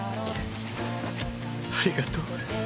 ありがとう。